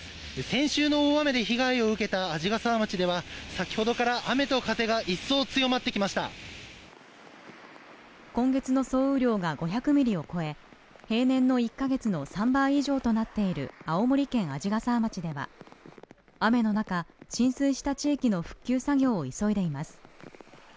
先週の大雨で被害を受けた鰺ヶ沢町では先ほどから雨と風が一層強まってきました今月の総雨量が５００ミリを超え平年の１か月の３倍以上となっている青森県鰺ヶ沢町では雨の中浸水した地域の復旧作業を急いでいます